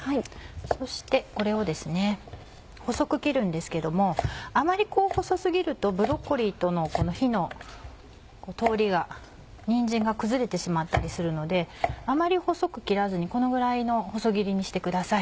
そしてこれをですね細く切るんですけどもあまり細過ぎるとブロッコリーとの火の通りがにんじんが崩れてしまったりするのであまり細く切らずにこのぐらいの細切りにしてください。